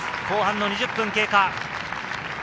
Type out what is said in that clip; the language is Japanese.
後半の２０分経過。